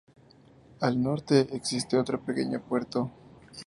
Al norte existe otro pequeño puerto.